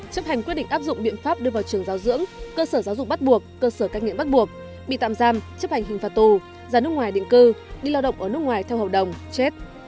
chấp hành quyết định áp dụng biện pháp đưa vào trường giáo dưỡng cơ sở giáo dục bắt buộc cơ sở cách nghiện bắt buộc bị tạm giam chấp hành hình phạt tù ra nước ngoài định cư đi lao động ở nước ngoài theo hợp đồng chết